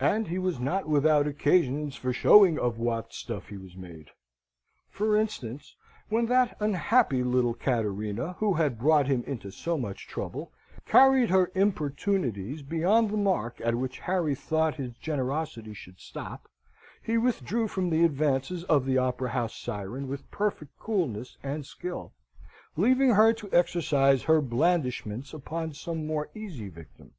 And he was not without occasions for showing of what stuff he was made. For instance, when that unhappy little Cattarina, who had brought him into so much trouble, carried her importunities beyond the mark at which Harry thought his generosity should stop, he withdrew from the advances of the Opera House Siren with perfect coolness and skill, leaving her to exercise her blandishments upon some more easy victim.